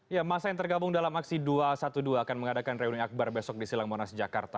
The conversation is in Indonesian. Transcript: ya masa yang tergabung dalam aksi dua ratus dua belas akan mengadakan reuni akbar besok di silang monas jakarta